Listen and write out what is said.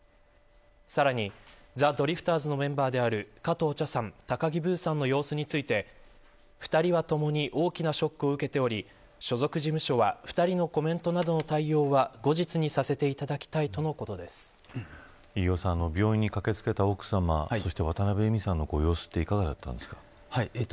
さらにザ・ドリフターズのメンバーである加藤茶さん高木ブーさんの様子について２人はともに大きなショックを受けており所属事務所は２人のコメントなどの対応は後日にさせていただきたい病院に駆けつけた奥さま渡部絵美さんのご様子はいかがだったんですか。